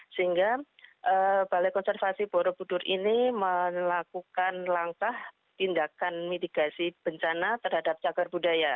sehingga balai konservasi borobudur ini melakukan langkah tindakan mitigasi bencana terhadap cagar budaya